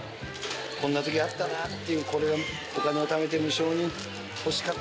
こんなときあったなっていうお金をためて無性に欲しかったなとかね。